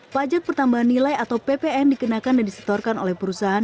pajak pertambahan nilai atau ppn dikenakan dan disetorkan oleh perusahaan